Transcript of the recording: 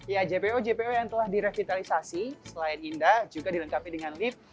ya jpo jpo yang telah direvitalisasi selain indah juga dilengkapi dengan lift